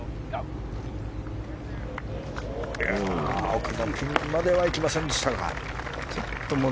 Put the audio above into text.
奥のピンまでにはいきませんでした。